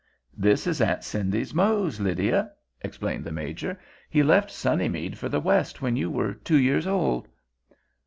"This is Aunt Cindy's Mose, Lydia," explained the Major. "He left Sunnymead for the West when you were two years old."